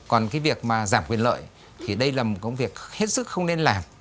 còn cái việc mà giảm quyền lợi thì đây là một công việc hết sức không nên làm